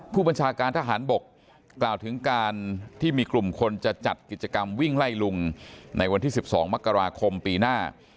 ผู้บัญชาการทหารบกกล่าวถึงการที่มีกลุ่มคนจะจัดกิจกรรมวิ่งไล่ลุงในวันที่๑๒มกราคมปีหน้า